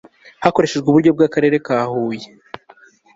hakoreshejwe uburyo bwa akarere kahuye